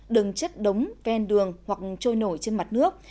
đừng chất đống ven đường hoặc trôi nổi trên mặt nước